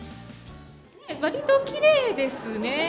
わりときれいですね。